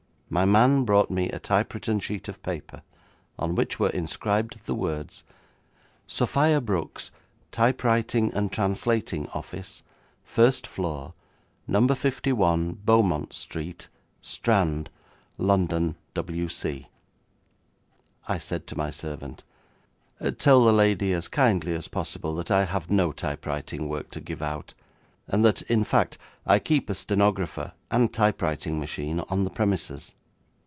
My man brought me a typewritten sheet of paper on which were inscribed the words: 'Sophia Brooks, Typewriting and Translating Office, First Floor, No. 51 Beaumont Street, Strand, London, W.C.' I said to my servant, 'Tell the lady as kindly as possible that I have no typewriting work to give out, and that, in fact, I keep a stenographer and typewriting machine on the premises.'